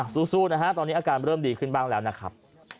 สู้นะฮะตอนนี้อาการเริ่มดีขึ้นบ้างแล้วนะครับ